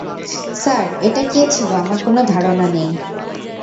Sir, এটা কে ছিল আমার কোন ধারণা নেই।